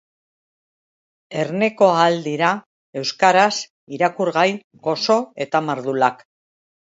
Erneko ahal dira euskaraz irakurgai gozo eta mardulak!